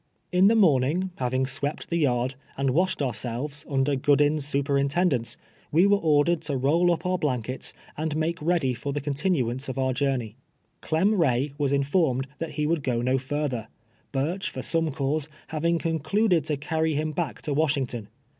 In the morning, having swept the yard, and. wash ed onrselves, nnder Goodin's snperintendence, we w^ere ordered to roll np onr blankets, and make ready for the continnance of onr journey. Clem Kay was informed that he would go no further, Burch, for some cause, having concluded to carry him back to Wash ington.